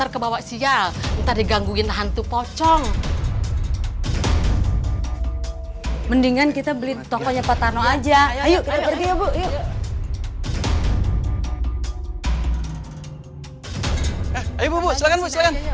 kebawa sial entah digangguin hantu pocong mendingan kita beli tokonya patano aja ayo